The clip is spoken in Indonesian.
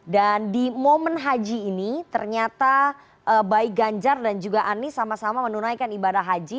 dan di momen haji ini ternyata baik ganjar dan juga anies sama sama menunaikan ibadah haji